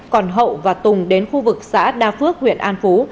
còn hậu và tùng đến khu vực xã đa phước huyện an phú